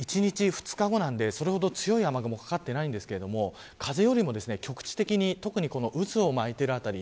２日後なので、それほど強い雨雲はかかっていませんが風よりも局地的に渦を巻いているあたり